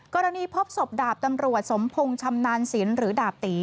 พบศพดาบตำรวจสมพงศ์ชำนาญศิลป์หรือดาบตี